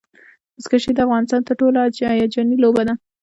بزکشي د افغانستان تر ټولو هیجاني لوبه ده.